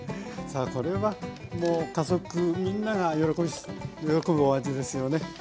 さあこれはもう家族みんなが喜ぶお味ですよね。